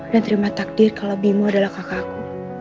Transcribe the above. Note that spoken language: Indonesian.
dan terima takdir kalau bimo adalah kakakku